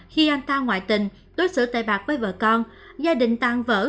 khi anh ta ngoại tình tối xử tài bạc với vợ con gia đình tàn vỡ